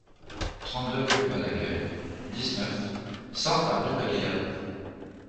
trente-deux rue Bon Accueil, dix-neuf, cent à Brive-la-Gaillarde